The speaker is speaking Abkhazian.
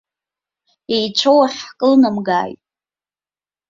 Иеицәоу ахь ҳкылнамгааит.